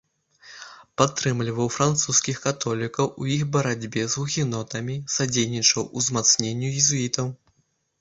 Падтрымліваў французскіх католікаў у іх барацьбе з гугенотамі, садзейнічаў узмацненню езуітаў.